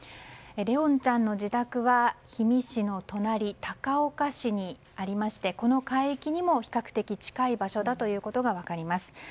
怜音ちゃんの自宅は氷見市の隣、高岡市にありましてこの海域にも比較的近い場所だということが分かります。